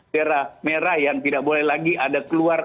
daerah merah yang tidak boleh lagi ada keluar